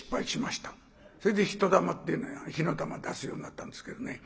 それで人だまって火の玉出すようになったんですけどね。